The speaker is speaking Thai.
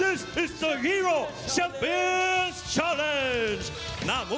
นี่คือสงสัยแชนเดอร์เวิร์ด